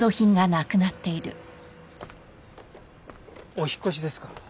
お引っ越しですか？